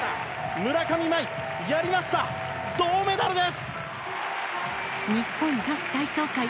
村上茉愛、やりました、銅メダルです。